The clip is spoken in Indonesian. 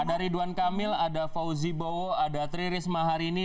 ada ridwan kamil ada fauzi bowo ada tri risma hari ini